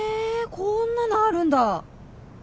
こんなのあるんだ。